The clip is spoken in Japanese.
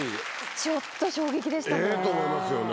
ちょっと衝撃でしたね。